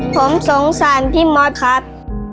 ผมสงสารพี่มอสครับ